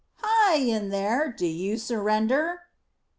"Hi! In there. Do you surrender?"